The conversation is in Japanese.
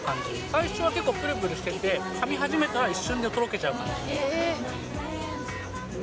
最初は結構、ぷるぷるしてて、かみ始めたら一瞬でとろけちゃう感じ。